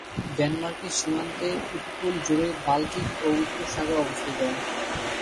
ডেনমার্কের সীমান্তে উপকূল জুড়ে বাল্টিক ও উত্তর সাগর অবস্থিত।